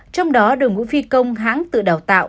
trong đó đội ngũ phi công hãng tự đào tạo